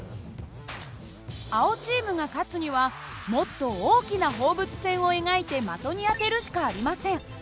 青チームが勝つにはもっと大きな放物線を描いて的に当てるしかありません。